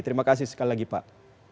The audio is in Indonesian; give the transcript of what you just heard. terima kasih sekali lagi pak